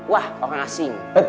wah orang asing